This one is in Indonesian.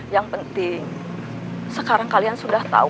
yang penting sekarang kalian sudah tahu